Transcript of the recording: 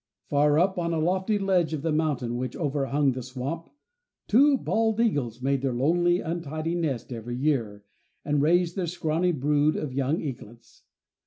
Far up on a lofty ledge of the mountain which overhung the swamp, two bald eagles made their lonely, untidy nest every year, and raised their scrawny brood of young eaglets.